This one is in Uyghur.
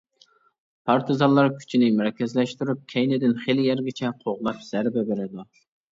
پارتىزانلار كۈچنى مەركەزلەشتۈرۈپ كەينىدىن خېلى يەرگىچە قوغلاپ زەربە بېرىدۇ.